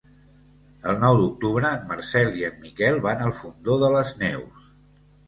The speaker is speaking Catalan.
El nou d'octubre en Marcel i en Miquel van al Fondó de les Neus.